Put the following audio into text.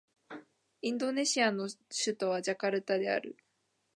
インドネシアの首都はジャカルタである